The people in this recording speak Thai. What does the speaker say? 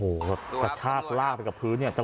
โอโหกระชากลากมากพื้น